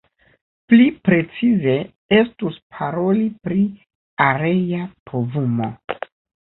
Pli precize estus paroli pri area povumo.